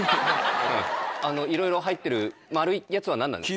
いろいろ入ってる丸いやつは何なんですか？